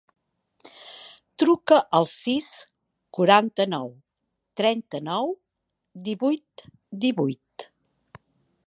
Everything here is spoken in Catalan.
Truca al sis, quaranta-nou, trenta-nou, divuit, divuit.